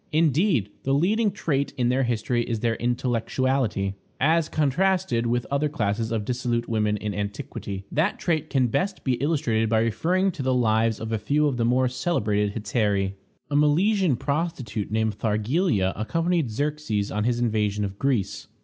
Indeed, the leading trait in their history is their intellectuality, as contrasted with other classes of dissolute women in antiquity. That trait can be best illustrated by referring to the lives of a few of the more celebrated hetairæ. A Milesian prostitute, named Thargelia, accompanied Xerxes on his invasion of Greece.